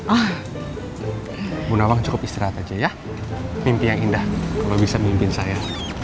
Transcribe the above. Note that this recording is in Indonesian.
ibu nawang cukup istirahat aja ya mimpi yang indah kalau bisa mimpiin saya